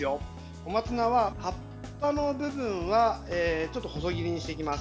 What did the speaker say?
小松菜は葉っぱの部分はちょっと細切りにしていきます。